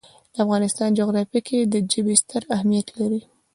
د افغانستان جغرافیه کې ژبې ستر اهمیت لري.